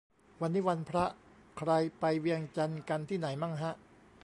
วันนี้วันพระ ใครไปเวียงจันทร์กันที่ไหนมั่งฮะ